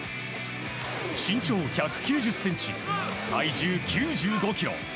身長１９０ｃｍ、体重９５ｋｇ。